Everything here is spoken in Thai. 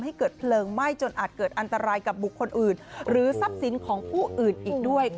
ให้เกิดเพลิงไหม้จนอาจเกิดอันตรายกับบุคคลอื่นหรือทรัพย์สินของผู้อื่นอีกด้วยค่ะ